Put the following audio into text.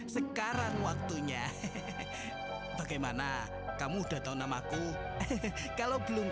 sekarang aku udah bebas dari kutukan